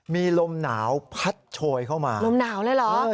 มีลมหนาวพัดโชยเข้ามาลมหนาวเลยเหรอ